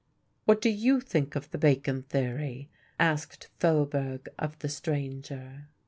"What do you think of the Bacon theory?" asked Faubourg of the stranger.